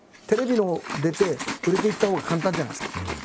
テレビの出て売れていったほうが簡単じゃないですか。